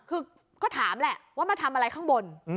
คือก็ถามแหละว่ามาทำอะไรข้างบน